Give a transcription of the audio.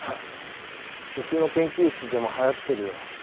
うちの研究室でもはやってるよ。